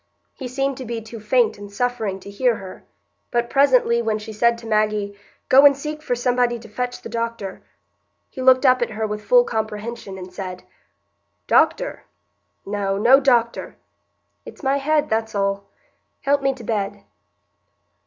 He seemed to be too faint and suffering to hear her; but presently, when she said to Maggie, "Go and seek for somebody to fetch the doctor," he looked up at her with full comprehension, and said, "Doctor? No—no doctor. It's my head, that's all. Help me to bed."